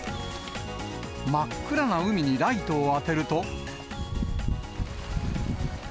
真っ暗な海にライトを当てると。